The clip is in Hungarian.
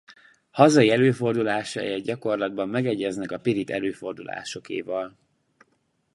Hazai előfordulásai a gyakorlatban megegyeznek a pirit előfordulásokéval.